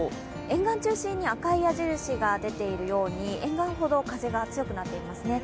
沿岸中心に赤い矢印が出ているように、沿岸ほど風が強くなっていますね。